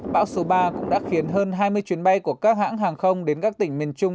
bão số ba cũng đã khiến hơn hai mươi chuyến bay của các hãng hàng không đến các tỉnh miền trung